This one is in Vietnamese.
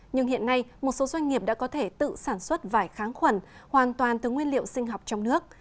nhưng hiện nay một số doanh nghiệp đã có thể tự sản xuất vải kháng khuẩn hoàn toàn từ nguyên liệu sinh học trong nước